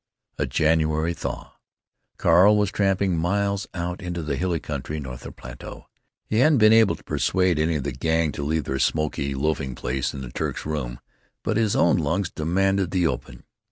A January thaw. Carl was tramping miles out into the hilly country north of Plato. He hadn't been able to persuade any of the Gang to leave their smoky loafing place in the Turk's room, but his own lungs demanded the open.